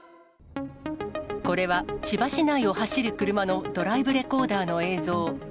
これは、千葉市内を走る車のドライブレコーダーの映像。